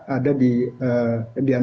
ada di pertandingan